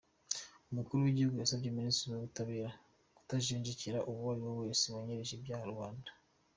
Umukuru w’Igihugu yasabye Minisitiri w’Ubutabera kutajengekera uwo ari wese wanyereje ibya rubanda.